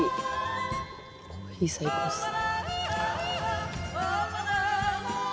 コーヒー最高っすね。